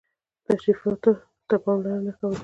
تشریفاتو ته پاملرنه کوله.